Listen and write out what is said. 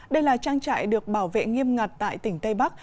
đây là trang trại được bảo vệ nghiêm ngặt tại tỉnh tây bắc